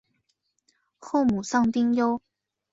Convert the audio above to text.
后母丧丁忧。